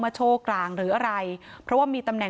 พ่อของสทเปี๊ยกบอกว่า